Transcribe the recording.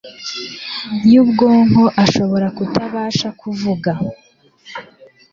y'ubwonko ashobora kutabasha kuvuga